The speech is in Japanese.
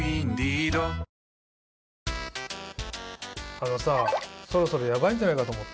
あのさそろそろヤバいんじゃないかと思って。